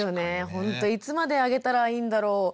ほんといつまであげたらいいんだろう？って